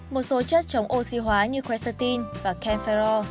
một số chất chống oxy hóa như quercetin và kemferol